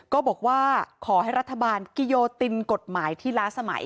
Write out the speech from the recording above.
ก็บอกว่าขอให้รัฐบาลกิโยตินกฎหมายที่ล้าสมัย